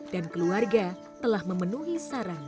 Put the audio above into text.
dan keluarga telah memenuhi saran